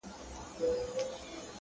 o دغه سُر خالقه دغه تال کي کړې بدل ـ